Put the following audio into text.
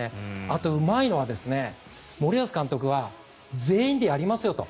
あと、うまいのは森保監督は全員でやりますよと。